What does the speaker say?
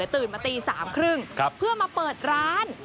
ตื่นมาตี๓๓๐เพื่อมาเปิดร้าน